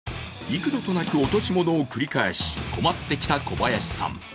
幾度となく落とし物を繰り返し困ってきた小林さん。